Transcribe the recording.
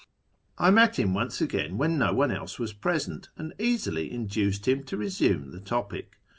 I met him once again when no one else was present, and easily induced him to resume the topic.